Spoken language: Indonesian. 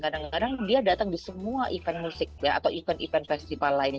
kadang kadang dia datang di semua event musik atau event event festival lain